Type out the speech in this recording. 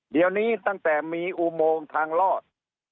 เดี๋ยวนี้ตั้งแต่มีอุโมงทางลอด